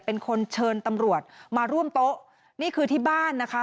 เป็นคนเชิญตำรวจมาร่วมโต๊ะนี่คือที่บ้านนะคะ